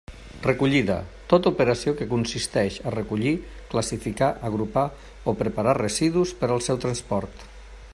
Recollida; tota operació que consisteix a recollir, classificar, agrupar o preparar residus per al seu transport.